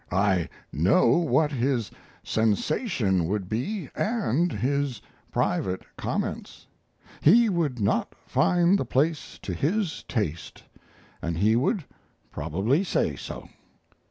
I know, what his sensation would be and his private comments. He would not find the place to his taste, and he would probably say so."